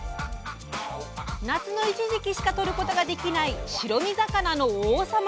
夏の一時期しかとることができない白身魚の王様です！